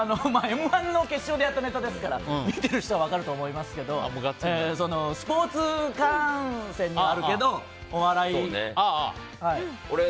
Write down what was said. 「Ｍ‐１」の決勝でやったネタですから見ている人は分かると思いますけどスポーツ観戦にはあるけどお笑いには。